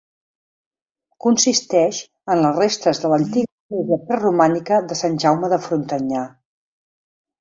Consisteix en les restes de l'antiga església preromànica de Sant Jaume de Frontanyà.